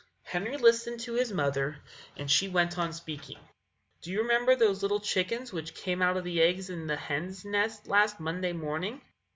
Henry listened to his mother, and she went on speaking: "Do you remember those little chickens which came out of the eggs in the hen's nest last Monday morning?"